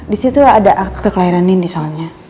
disitu ada akte kelahiran nindi soalnya